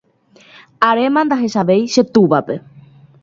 aréma ndahechavéi che túvape.